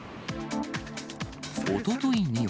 おとといには。